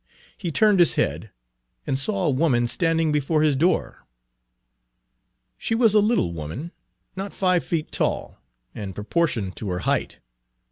He turned his head, and saw a woman standing before his door. She was a little woman, not five feet tall, and proportioned to her height.